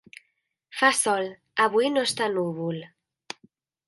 Fa sol: avui no està núvol.